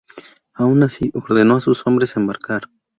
Aun así ordenó a sus hombres embarcar.